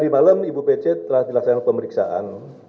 tadi malam ibu pc telah dilaksanakan pemeriksaan